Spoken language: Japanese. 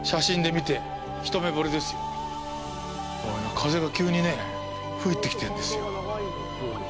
風が急にね、吹いてきてるんですよ。